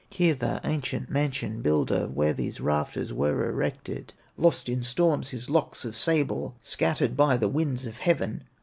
Here the ancient mansion builder, When these rafters were erected, Lost in storms his locks of sable, Scattered by the winds of heaven.